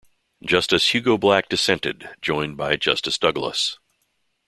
Justice Hugo Black dissented, joined by Justice Douglas.